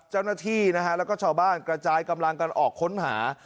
เจ้าหน้าที่นะฮะแล้วก็ชาวบ้านกระจายกำลังกันออกค้นหา